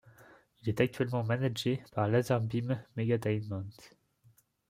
Il est actuellement managé par LazerBeam Megatainment.